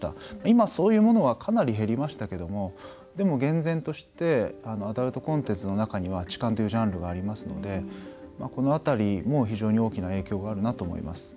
今、そういうものはかなり減りましたけどもでも、厳然としてアダルトコンテンツの中には痴漢というジャンルがありますのでこの辺りも非常に大きな影響があるなと思います。